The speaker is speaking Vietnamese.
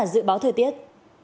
dự báo thời tiết